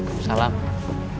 aku sudah berhenti